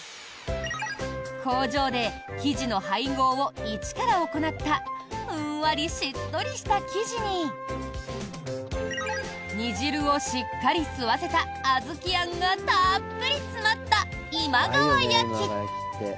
工場で生地の配合を一から行ったふんわり、しっとりした生地に煮汁をしっかり吸わせたあずきあんがたっぷり詰まった今川焼！